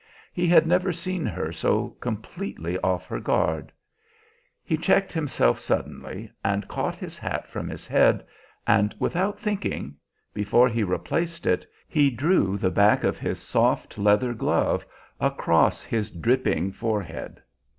He had never seen her so completely off her guard. He checked himself suddenly and caught his hat from his head; and without thinking, before he replaced it, he drew the back of his soft leather glove across his dripping forehead.